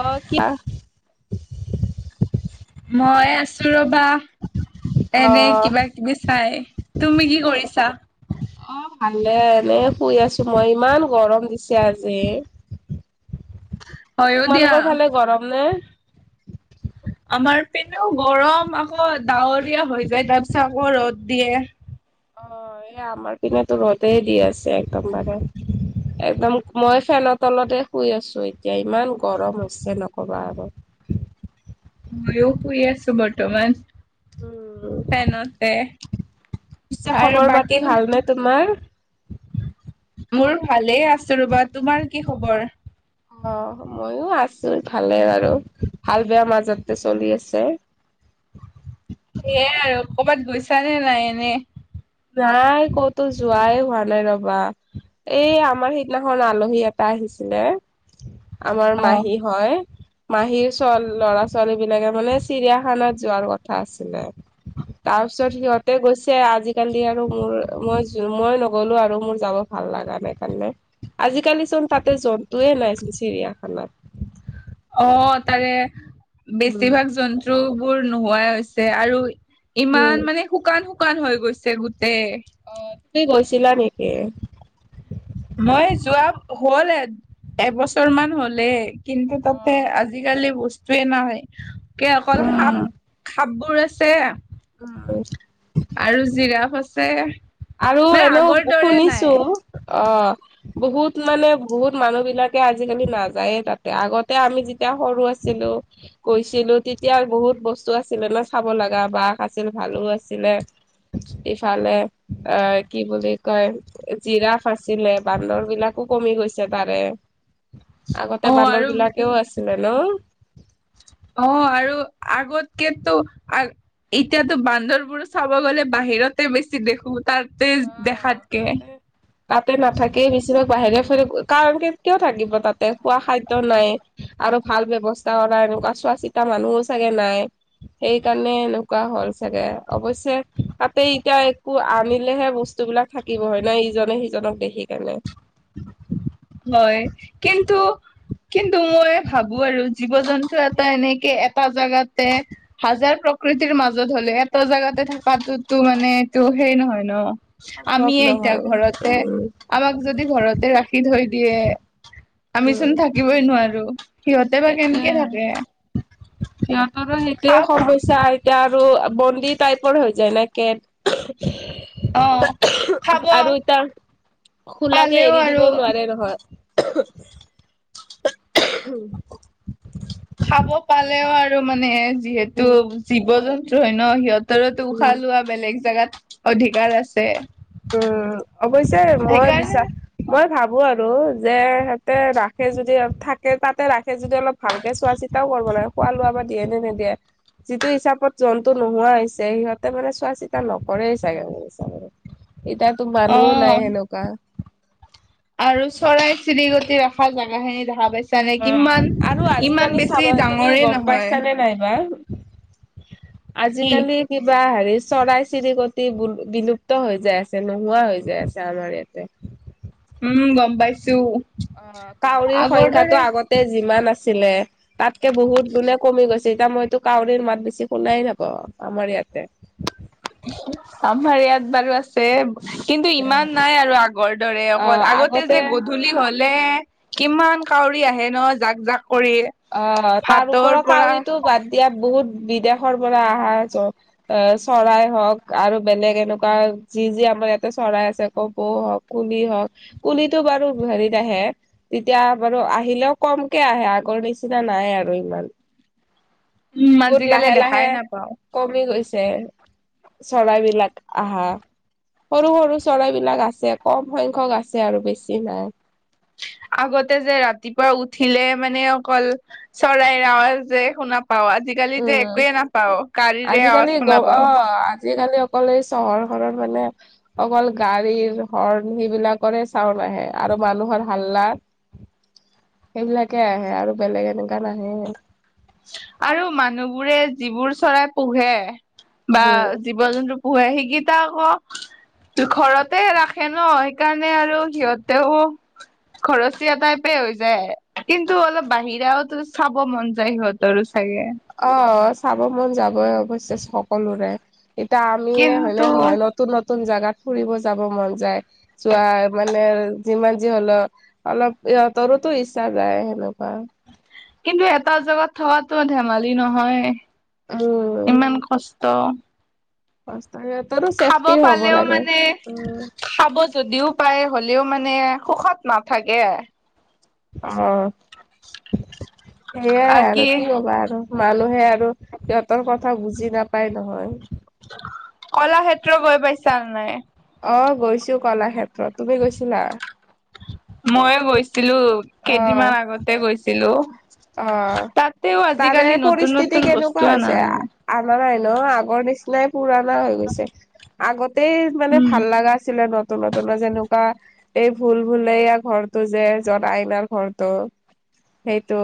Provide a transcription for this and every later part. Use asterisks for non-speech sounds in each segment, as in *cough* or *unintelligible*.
অ কি মই আছো ৰবা অ এনে কিবা কিবি চাই। তুমি কি কৰিছা? অ ভালে এনে শুই আছো মই ইমান গৰম দিছে আজি। *inaudible* হয়ো দিয়া তোমালোকৰ ফালে গৰম নে? কিন্তু গৰম আকৌ ডাৱৰীয়া হৈ যায় তাৰ পিছত আকৌ ৰ'দ দিয়ে। অ এই আমাৰ পিনে তো ৰ'দেই দি আছে একদম মানে একদম মই ফেনৰ তলতে শুই আছো এতিয়া ইমান গৰম হৈছে নকবা আ। মইয়ো শুই আছো বৰ্তমান উম পেনতে পিছে আৰু খবৰ পাতি বাকী ভালনে তোমাৰ মোৰ ভালেই আছো ৰবা তোমাৰ কি খবৰ? অ ময়ো আছো ভালে আৰুা ভাল বেয়া মাজতে চলি আছে। এয়াই আৰু কৰবাত গৈছা নে নাই এনে। নাই ক'তো যোৱাই হোৱা নাই ৰবা। এই আমাৰ সিদিনাখন আলহী এটা আহিছিলে। আমাৰ অ মাহী হয়। মাহীৰ চ ল'ৰা ছোৱালী বিলাকে মানে চিৰিয়াখানাত যোৱাৰ কথা আছিলে। তাৰ পিছত সিহঁতে গৈছে আজি কালি আৰু মোৰ মই মই নগলো আৰু মোৰ যাব ভাল লাগা নাই কাৰণে আজিকালি চব তাতে জন্তুৱে নাই চোন চিৰিয়াখানাত। হয়। অ তাৰে উম। বেছিভাগ জন্তু বোৰ নোহোৱাই হৈছে আৰু উম, ইমান মানে শুকান -শুকান হৈ গৈছে গো অহ, তুমি গৈছিলা নেকি? মই যোৱা হল এ- এবছৰ মান হ'লে। কিন্তু তাতে অ'। আজিকালি বস্তুয়ে নাই কে অকল সাপ উম, সাপবোৰ আছে উম। আৰু জিৰাফ আছে। আৰু মানে আগৰ এনেও দৰে নাই শুনিছো অ', অহ। বহুত মানে বহুত মানুহ বিলাকে আজিকালি নাযায়ে তাতে আগতে আমি যেতিয়া সৰু আছ চিলো কৈছিলো তেতিয়া বহুত বস্তু আছিল ন' চাব লগা বাঘ আছিল, ভালুক আছিল ইফালে অ', কি বুলি কয় জিৰাফ আচিলে বান্দৰ বিলাকো কমি গৈছে তাৰে। অ আগতে বান্দৰ বিলাকেও আছিলে ন' অহ, আৰু আগত কেতু এতিয়াতো বান্দৰবোৰো চাব গ'লে বাহিৰতে বেছি দেখো তাৰ উম, তাতে -তাতে নাথাকেই বেছিভাগ। বাহিৰে ফুৰি কাৰণ কে কিয় থাকিব তাতে খোৱা খাদ্য নাই আৰু ভাল ব্যৱস্থাও নাই। এনেকুৱা চোৱা -চিতা মানুহও চাগে নাই সেইকাৰণে এনেকুৱা হ'ল চাগে অৱশ্যে তাতে এতিয়া একো আমি দিলেহে বস্তুবিলাক থাকিব হয় নহ ইজনে- সিজনক দেখি কেনে। হয়, কিন্ত কিন্তু মই ভাবো আৰু জীৱ -জন্তু এটা এনেকে এটা জোগাতে হাজাৰ প্ৰকৃতিৰ মাজত হ'লে এটা জাগাতে থকাটোতো মানে এইটো হেই নহয় ন' সম্ভৱ আমিয়ে এতিয়া নহয় ঘৰতে উম আমাক যদি ঘৰতে ৰাখি থৈ দিয়ে আমি চোন থাকিবই নোৱাৰো। সিহঁতে বা কেনেকে থাকে হেটোৱে সিহঁতৰো সেইটৱে খাব সমস্যা এতিয়া আৰু বন্দী টাইপৰ হৈ যায় ন' কেট অহ', আৰু এতিয়া খোলাকে পালেও এৰি আৰু দিবও নোৱাৰে নহয়। *unintelligible* খাব পালেও আৰু মানে যিহেতু উম জীৱ -জন্তু হয় ন' সিহঁত তেওঁলোকে টো উম উশাহ লোৱা বেলেগ জেগাত অধিকাৰ আছে। উম, অৱশ্যে মই সেইকাৰণে বিশ্বাস মই ভাবোঁ আৰু যে সিহঁতে ৰাখে যদি থাকে তাতে ৰাখে যদি অলপ ভালকে চোৱা চিতাও কৰব লাগে খোৱা -লোৱা বা দিয়ে নে নেদিয়ে। যিটো হিচাপত জন্তু নোহোৱা হৈছে সিহঁতে মানে চোৱা -চিতা নকৰেই চাগে মোৰ হিচাপত। এতিয়াতো মানুহো নাই সেনেকুৱা। অ', আৰু চৰাই চিৰিকটি ৰাখ দেখা জোগাখিনি দেখা পাইছা নে কিমান আৰু আজিকালি ইমান চাবা বেছি তুমি ডাঙৰে গম নহয়। পাইছানে নাইবা কি আজিকালি কিবা হেত চৰাই - চিৰিকতি বোৰ বিলুপ্ত হৈ যাই আছে নোহোৱা হৈ যাই আছে আমাৰ ইয়াতে। উম, গম পাইছো। অ', কাউৰীৰ আগৰ দৰে সংখ্যাটো আগতে যিমান আছ ছিলে তাতকে বহুত গুণে কমি গৈছে এতিয়া মইতো কাউৰীৰ মাত বেছি শুনাই নাপাও আমাৰ ইয়াত। তে আমাৰ ইয়াত বাৰু আছে। কিন্তু ইমান নাই আৰু আগৰ দৰে অকল আগতে যে গধূলি হলে কিমান কাউ উৰি আহে ন' জাক - জাক। কৰি অ', তাৰ ভাতৰ ওপৰত পৰা কাউৰীটো বাদ দিয়া বহুত বিদেশৰ পৰা আহা জ চৰাই হ'ক আৰু বেলেগ এনেকুৱা যি- যি আমাৰ ইয়াতে চৰাই আছে কপৌ হক কুলি হক কুলিতো বাৰু হেৰিত আহে তেতিয়া এবাৰু আহিলেও কমকে আহে আগৰ নিচিনা নাই আৰু ইমান। উম বহুত আজিকালি লাহে -লাহে দেখাই নাপাও কমি গৈছে। যে চৰাই বিলাক আহা, সৰু সৰু চৰাইবিলাক আছে কম সংখ্যক আছে আৰু বেছি নাই। *inaudible* আগতে যে ৰাতিপুৱা উঠিলে মানে অকল চৰাই আৱাজ যে শুনা পাও আজিকালিতো উম একোয়ে নাপাও গাড়ীৰে আজিকালি আৱাজ গ শুনা অ পাওঁ। আজিকালি অকল এই চহৰখনত মানে অকল গাড়ীৰ হৰ্ণ সেইবিলাকৰে চাউণ্ড আহে আৰু মানুহৰ হাল্লাৰ সেইবিলাকে আহে আৰু বেলেগ এনেকুৱা নাহে। আৰু মানুহবোৰে যিবোৰ চৰাই পোহে বা উম জীৱ জন্তু পোহে শিকিটা আক ঘৰতে ৰাখে ন সেইকাৰণে আৰু সিহঁতেও খৰচীয়া টাইপে হৈ যায় কিন্তু অলপ বাহিৰাওতো চাব মন যাই সিহঁতৰো চাগে, অ চাব মন যাবই অৱশ্যে সকলোৰে, এতিয়া আমিয়ে হয়নে কিন্তু নহয় নতুন নত- নতুন জাগাত ফুৰিব যাব মন যায় যোৱা মানে যিমান যি হলেও অলপ ইহঁতৰোতো ইচ্ছা যায় সেনেকুৱা কিন্তু এটা জেগাত থোৱাতো ধেমালি নহয়। মই ত বচ খাব পালেও মানে খাব যদিও পায়। হ'লেও মানে সুখত নাথাকে? অ সেইয়াই বাকী আৰু কি কবা আৰু। মানুহে আৰু সিহঁতৰ কথা বুজি নাপায় নহয়। কলাক্ষেত্ৰ গৈ পাইছা নাই। অ গৈছো কলাক্ষেত্ৰত তুমি গৈছিলা? মইয়ে গৈছিলো অ', কেইদিনমান আগতে গৈছিলো? অ তাতেও তাৰে আজিকালি নতুন পৰিস্থিতি নতুন কেনেকুৱা বস্তু অনা হৈছে নাই অনা নাই ন আগৰ নিচ- নাই পুৰণা হৈ গৈছে আগতেই মানে উম ভাল লগা আছিলে ন। নতু নতুন যেনেকুৱা এই ভুল ভুল ঘৰটো যে যত আইনাৰ ঘৰটো। *inaudible* সেইটো।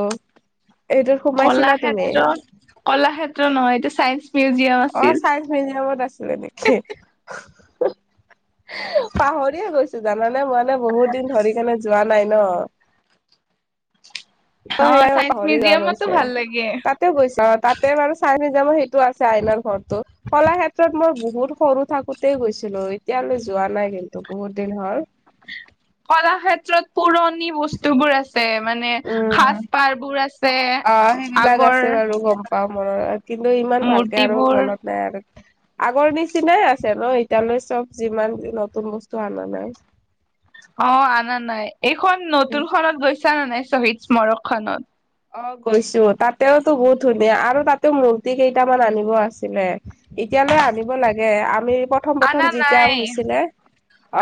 এইটোত কল সোমাইছিলা তুমি? ক্ষেত্ৰত কলাক্ষেত্ৰ নহয় এইটো চাইন্স মিউজ- অ চাই মিউজিয়ামত আছিলে নেকি? পাহৰিয়ে গৈছো জানানে মইানে বহুত দিন ধৰি কেনে যোৱা। নাই ন। ত অ সেইকাৰণে চাইন্স পাহৰি যোৱা মিউজিয়ামতো গৈছে ভাল লাগে তাতেও গৈছো আৰু তাতে বাৰু চাইন্স মিউ- মই সেইটো আছে আইনাৰ ঘৰতো কলা ক্ষেত্ৰত মই বহুত সৰু থাকোতেই গৈছিলো এতিয়ালৈ যোৱা। যোৱা নাই কিন্তু বহুত দিন হল। কলাক্ষেত্ৰত পুৰণি বস্তুবোৰ আছ- ছে মানে উম সাজ পাৰ বোৰ আছে অ সেইবিলাক আছে আগৰ। বাৰু গম পাও মনত কিন্তু ইমান ভালকে আৰু মূৰ্তিবোৰ মনত নাই আৰু। আগৰ নিচিনাই আছে ন এতিয়ালৈ চব যিমান নতুন বস্তু অনা নাই। অ আনা নাই এইখন নতুন খত গৈছা নে নাই শ্বহীদ স্মাৰক খনত। অ গৈছো তাতেওতো বহুত ধুনীয়া আৰু তাতেও মূৰ্তি কেইটামান আনিব আছিলে? এতিয়ালৈ আনিব লাগে আমি প্ৰথম প্ৰথম আনা যেতিয়া নাই হৈছিলে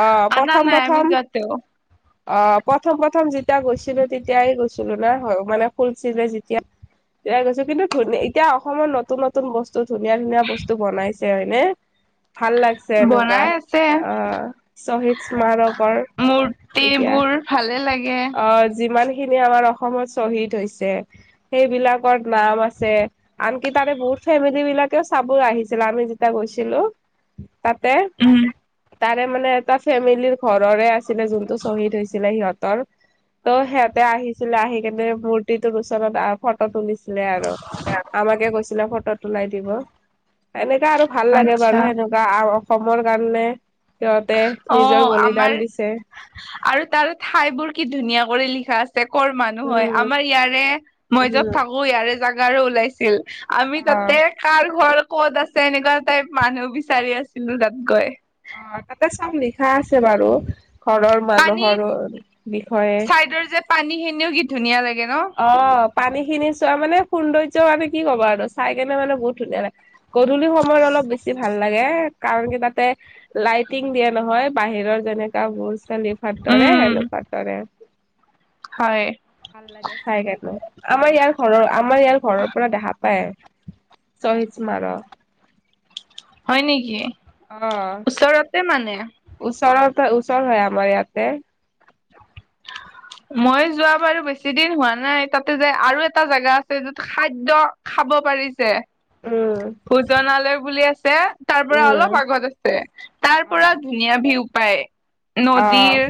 আহ আনা প্ৰথম নাই আমি প্ৰথম। যোৱাতেও অ প্ৰথম প্ৰথম যেতিয়া গৈছিলো তেতিয়াই গৈছিলো না মানে খুলছিলে যেতিয়া। তেতিয়া গৈছো কিন্তু ধুন এতিয়া অসমত নতুন নতুন বস্তু ধুনীয়া ধুনীয়া বস্তু বনাইছে হয়নে। ভাল লাগছে এনেকুৱা বনাই আছে আহ শহীদ স্মাৰকৰ এতিয়া মূৰ্তিবোৰ ভালে লাগে। অ যিমান খিনি আমাৰ অসমত শ্বহীদ হৈছে সেইবিলাকৰ নাম আছে আনকি তাৰে বহুত ফেমিলি বিলাকেও চাব আহিছিল আমি যেতিয়া গৈছিলো। *inaudible* তাতে উম তাৰে মানে এটা ফেমিলিৰ ঘৰৰে আছিলে যোনতটো শ্বহীদ হৈছিলে সিহঁত ত' সিহঁতে আহিছিলে আহি কেনে মূৰ্তিটোৰ ওচত ফটো তুলিছিলে আৰু। আমাকে কৈছিলে ফটো তোলাই দিব। এনে আৰু ভাল লাগে বাৰু আচ্ছা সেনেকুৱা অসমৰ কাৰণে। সিহঁতে অ নিজৰ আমাৰ বলিদান দিছে আৰু তাৰ ঠাই বোৰ কি ধুনীয়া কৰি লিখা আছে। কৰ মানুহ হয়? উম আমাৰ ইয়াৰে মই উম যত থাকো ইয়াৰে জাগাৰো ওলাইছিল। আমি অ তাতে কাৰ ঘৰ ক'ত আছে এনেকুৱা টাইপ মানুহ বিচাৰি আছিলো তাত গৈ। অ তাতে চব লিখা আছে বাৰু। ঘৰৰ পানী মানুহৰো বিষয়ে। চাইডৰ যে পানী খিনিও কি ধুনীয়া লাগে ন অ পানী খিনি চোৱা মানে সৌন্দৰ্য মানে কি কবা আৰু চাই কেনে মানে বহুত ধুনীয়া লা গধূলি সময়ত অলপ বেছি ভাল লাগে। কাৰণ কি তাতে লাইটিং দিয়া নহয় বাহিৰৰ যেনেকা বস্ চালি ভাটৰে উম সেনেকুৱা কৰে। হয়। লাগে চাই আমাৰ ইয়াৰ ঘৰৰ আমাৰ ইয়াৰ ঘৰৰ পৰা দেখা পায়। চহিচ্ট মাৰ'? হয় নেকি? অ' ওচৰতে মানে। ওচৰতে ওচৰ হয় আমাৰ ইয়াতে। *unintelligible* মই যোৱা বাৰু বেছি দিন হোৱা নাই তাতে যাই আৰু এটা জাগা আছে যত খাদ্য খাব পাৰি যে উম ভোজনালয় বুলি আছে তাৰ পৰা উম অলপ আগত আছে তাৰ পৰা অ' ধুনীয়া ভিও পায়। নদীৰ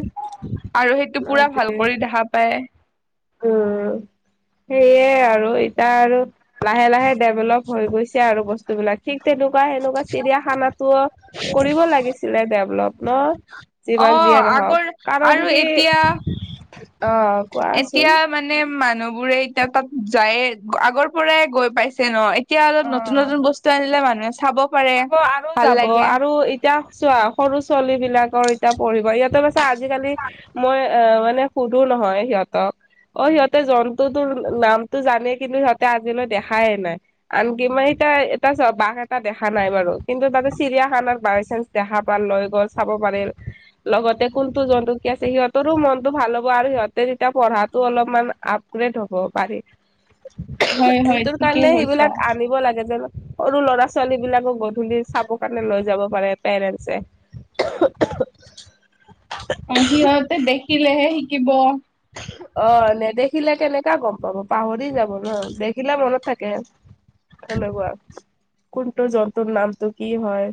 আৰু সেইটো পুৰা অ' ভাল কৰি দেখা পায়। উম সেইয়ে আৰু এতিয়া আৰু লাহে লাহে ডেভেলপ হৈ গৈছে আৰু বস্তু বিলাক। ঠিক তেনেকুৱা সেনেকুৱা চিৰিয়াখানাতো কৰিব লাগিছিলে ডেভলপ ন? অ যিমান যিয়েই আগৰ নহওক কাৰণ আৰু কি এতিয়া অ কোৱা এতিয়া মানে মানুহ বোৰে এতিয়া তাত যায়ে আগৰ পৰাই গৈ পাইছে ন এতিয়া অলপ নতুন অ নতুন বস্তু আনিলে মানুহ চাব আৰু যাব আৰু এতিয়া চোৱা সৰু ছোৱালী বিলাকৰ এতিয়া পঢ়িব ইহতে পিছে আজিকালি মই অ মানে সুধো নহয় সিহঁতক অ সিহঁতে জন্তু তোৰ নামতটো জানে কিন্তু সিহঁতে আজিলৈ দেখাই নাই আনকি ম এটা এটা চা বাঘ এটা দেখা দেখা নাই বাৰু কিন্তু তাতে চিৰিয়াখানাৰ বাইচান্চ দেখা পাল, লৈ গ'ল, চাব পাৰিল। লগতে কোনটো জন্তু কি আছে সিহঁতৰো মনতটো ভাল হ'ব আৰু সিহতে তেতিয়া পঢ়াতটো অলপমান আপ ধব পাৰি হয় হয় সেইটোৰ ঠিকেই কাৰণে কৈছা সেইবিলাক আনিব লাগে যেন সৰু ল'ৰা-ছোৱালী বিলাকক গধূলি চাব কাৰণে লৈ যাব পাৰে পেৰেন্টচে। সিহঁতে দেখিলেহে শিকিব। অ নেদেখিলে কেনেকা গম পাব পাহৰি যাব ন দেখিলে মনত থাকে। সেনেকোৱা কোনটো জন্তুৰ নামটো কি হয়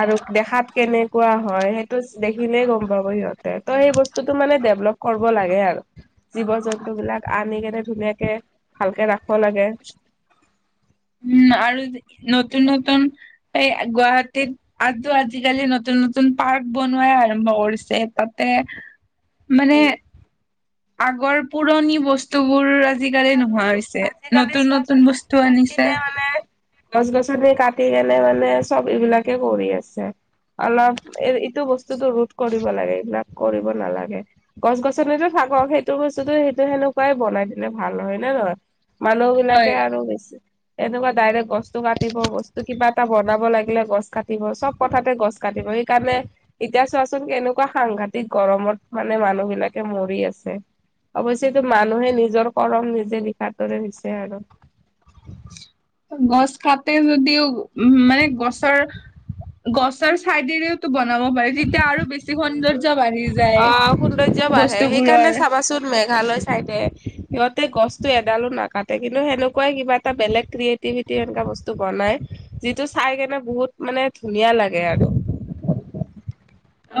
আৰু দেখাত কেনেকুৱা হয় সেইটো দেখিলেই গম পাবো সিহঁতে ত সেই বস্ত বস্তুটো মানে ডেভলপ কৰব লাগে আৰু জীৱ জন্তু বিলাক আনি কেনে ধুনীয়াকে ভালকে ৰাখ উম আৰু নতুন নতুন এই গুৱাহাটীত আ আজিকালি নতুন নতুন পাৰ্ক বনোৱা আৰম্ভ কৰিছে তাতে মানে উম আগৰ পুৰণি বস্তুবোৰ আজি আজিকালি নোহোৱা আৰু হৈছে আজিকালি নতুন নতুন চোৱাচোন বস্তু চব আনিছে। পিনে মানে গছ গছনি কাটি কেনে মানে চব এইবিলাকে কৰি আছে। অলপ এ ইটো বস্তুতো ৰোধ কৰিব লাগে এইবিলাক কৰিব নালাগে গছ গছনি ভ আৰ সেইটো বস্তুতো সেইটো সেনেকুৱাই বনাই দিলনে ভাল হয় নে নহয় মানুহ হয় বিলাকে আৰু বেছি। এনেকুৱা ডাইৰেক্ট গছটো কাটিব বস্তু কিবা এটা বনাব লাগিলে গছ কাটিব চব কথাতে গছ কাটিব। সেইকাৰণে এতিয়া চোৱাচোন কেনেকুৱা সাংঘাতিক গৰমত মানে মানুহ বিলাকে মৰি আছে। অৱশ্যয়তটো মানুহে নিজৰ কৰম নিজে লিখাটোৰেছে আৰু গছ কাতে যদিও উ মানে গছৰ গছৰ ছাইডেৰেওতো বনাব পাৰি তেতিয়া আৰু বেছি সৌন্দৰ্য। বাঢ়ি যায় অ সৌন্দৰ্য বাঢ়ে সেইকাৰণে বস্তুবোৰৰ। চাবাচোন মে চাই দিয়ে সিহঁতে গছতটো এডালো নাকাটে কিন্তু সেনেকুৱাই কিবা এটা বেলেগ ক্ৰিয়ে সনেকাা বস্তু বনাই যিটো চাই কেনে বহুত মানে ধুনীয়া লাগে আৰু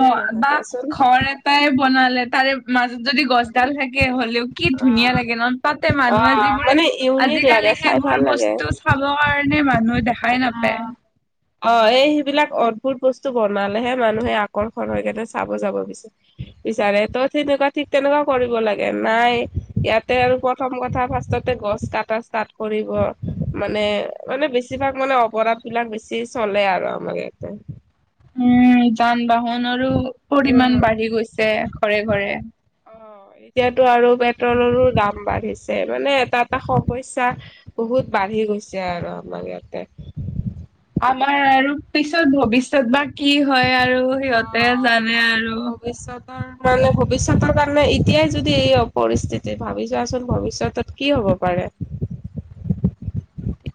অ নহয় বা কোৱাচোন? ঘৰ এটাই বনালে তাৰে মাজত যদি গছডাল থাকে হ'লেও কি অ ধুনীয়া লাগে নহ তাত অ মানুহে যিবোৰে মানে ইউনিক লাগে আজিকালি চাই সেইবোৰ ভাল বস্তু চাব কাৰণে মানুহে দেখাই নাপায় অঁ অঁ এই বিলাক অদ্ভুত বস্তু বনালেহে মানুহে আকৰ্ষণ হৈ কেনে চাব যাব বিচাৰে বিচাৰে ত তেনেকুৱা ঠিক তেনেকুৱা কৰিব লাগে নাই ইয়াতে আৰু প্ৰথম কথা। গছ কটা ষ্টাৰ্ট কৰিব মানে মানে বেছিভাগ মানে অপৰাধ বিলাক বেছি চলে আৰু আমাৰ ইয়াতে উম যান বাহনৰো পৰিমান উম। বাঢ়ি গৈছে ঘৰে ঘৰে অ এতিয়াতো আৰু পেট্ৰলৰো দাম বাঢ়িছে মানে এটা এটা সমস্যা বহুত বাঢ়ি কি গৈছে আৰু আমাৰ ইয়াতে আমাৰ আৰু পিছত ভৱিষ্যত বা কি হয় আৰু সিহঁতে অ। জানে ভৱিষ্যতৰ আৰু মানে ভৱিষ্যতৰ কাৰণে এতিয়াই যদি এই পৰিস্থিতি ভাবি যোৱাচোন ভৱিষ্যতত কি হ'ব পাৰে। *unintelligible*